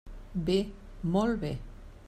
Bé, molt bé.